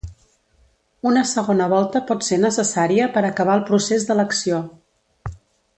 Una segona volta pot ser necessària per acabar el procés d'elecció.